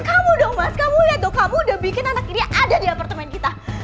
kamu dong mas kamu lihat tuh kamu udah bikin anak ini ada di apartemen kita